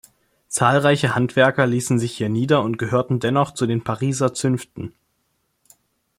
Zahlreiche Handwerker ließen sich hier nieder und gehörten dennoch zu den Pariser Zünften.